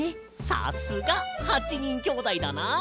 さすが８にんきょうだいだなあ。